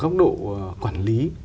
góc độ quản lý